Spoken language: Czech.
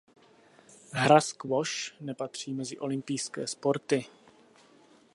Hra squash nepatří mezi olympijské sporty.